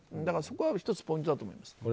そこは１つポイントだと思います。